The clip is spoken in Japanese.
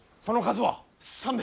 その数は。